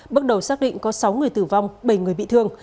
bước đầu xác định có sáu người tử vong bảy người bị thương